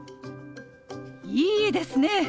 いいですね！